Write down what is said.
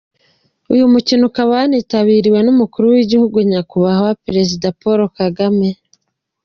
Uyu mukino ukaba wanitabiriwe n’Umukuru w’Igihugu Nyakubahwa Perezida Paul Kagame.